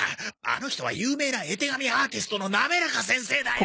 あの人は有名な絵手紙アーティストのなめらか先生だよ！